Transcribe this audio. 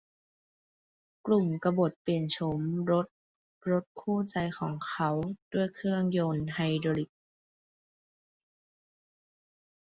กลุ่มกบฏเปลี่ยนโฉมรถรถคู่ใจของเขาด้วยเครื่องยนต์ไฮดรอลิค